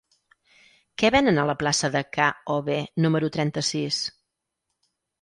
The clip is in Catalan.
Què venen a la plaça de K-obe número trenta-sis?